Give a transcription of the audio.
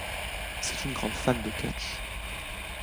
C'est une grande fan de catch.